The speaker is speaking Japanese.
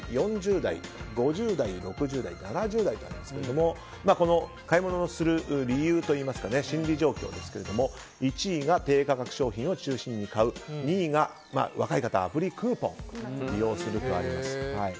２０代、３０代、４０代、５０代６０代、７０代とありますが買い物をする理由といいますか心理状況ですが１位が低価格商品を中心に買う２位が若い方はアプリクーポンを利用するとあります。